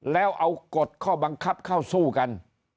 แล้วเอากฎข้อบังคับเข้าสู้กัน